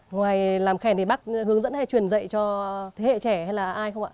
ngoài làm khen thì bác hướng dẫn hay truyền dạy cho thế hệ trẻ hay là ai không ạ